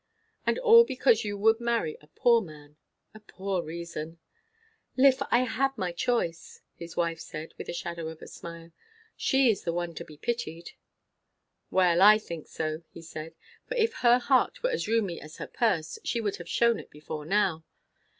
And all because you would marry a poor man. A poor reason!" "Liph, I had my choice," his wife said, with a shadow of a smile. "She is the one to be pitied." "Well, I think so," he said. "For if her heart were as roomy as her purse, she would have shewn it before now.